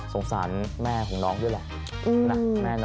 สงสารแม่ของน้องด้วยแหละ